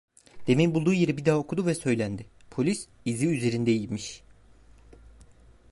Demin bulduğu yeri bir daha okudu ve söylendi: "Polis izi üzerinde imiş…"